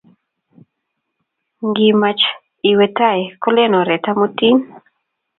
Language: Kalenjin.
Ngimach iwe tai kolen oret amutin